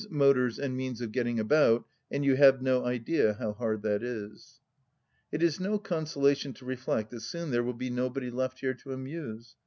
motors and means of getting about, and you have no idea how hard that is ! It is no consolation to reflect that soon there will be nobody left here to amuse.